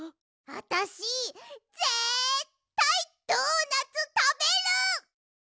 あたしぜったいドーナツたべる！